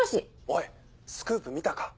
おいスクープ見たか？